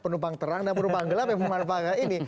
penumpang terang dan penumpang gelap yang memanfaatkan ini